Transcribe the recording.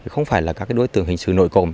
không phải là các cái đối tượng hình sự nội cồm